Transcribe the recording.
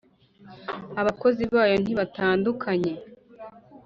abakozi bayo ntibatandukanye.